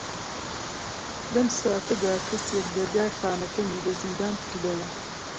لەم ساتەدا کەسێک دەرگای خانەکەمی لە زیندان کردەوە.